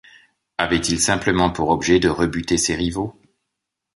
Avait-il simplement pour objet de rebuter ses rivaux ?